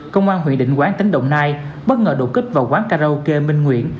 công an huyện định quán tỉnh đồng nai bất ngờ đột kích vào quán karaoke minh nguyễn